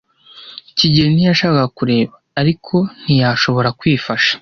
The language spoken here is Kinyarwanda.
kigeli ntiyashakaga kureba, ariko ntiyashobora kwifasha.